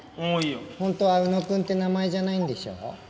本当は浮野くんって名前じゃないんでしょ？